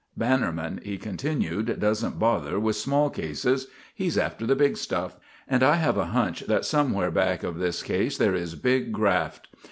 "Bannerman," he continued, "doesn't bother with small cases. He's after the big stuff. And I have a hunch that somewhere back of this case there is big graft.